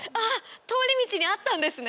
通り道にあったんですね。